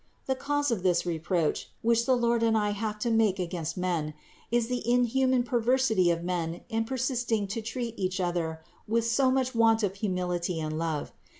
The cause of this reproach, which the Lord and I have to make against men, is the inhuman perversity of men in persisting to treat each other with so much want of humility and love.